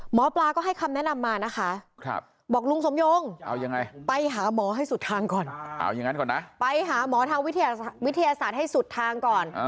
หมอปลาก็ให้คำแนะนำมานะคะบอกลุงสมโยงไปหาหมอให้สุดทางก่อนไปหาหมอทางวิทยาศาสตร์ให้สุดทางก่อน